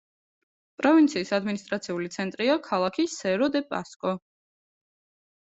პროვინციის ადმინისტრაციული ცენტრია ქალაქი სერო-დე-პასკო.